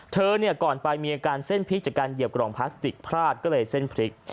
ก่อนไปมีอาการเส้นพลิกจากการเหยียบกล่องพลาสติกพลาดก็เลยเส้นพลิก